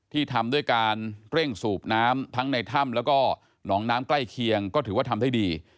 ทำด้วยการเร่งสูบน้ำทั้งในถ้ำแล้วก็หนองน้ำใกล้เคียงก็ถือว่าทำได้ดี